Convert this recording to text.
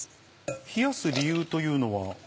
冷やす理由というのは？